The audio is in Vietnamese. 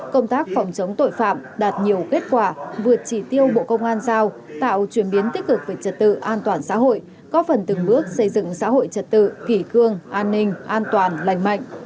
công tác phòng chống tội phạm đạt nhiều kết quả vượt chỉ tiêu bộ công an giao tạo chuyển biến tích cực về trật tự an toàn xã hội có phần từng bước xây dựng xã hội trật tự kỷ cương an ninh an toàn lành mạnh